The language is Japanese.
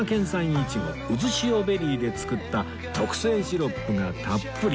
いちごうずしおベリーで作った特製シロップがたっぷり